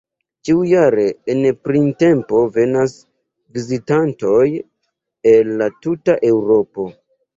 Ĉiujare en printempo venas vizitantoj el la tuta Eŭropo.